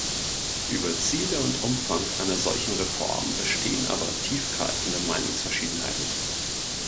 Über Ziele und Umfang einer solchen Reform bestehen aber tiefgreifende Meinungsverschiedenheiten.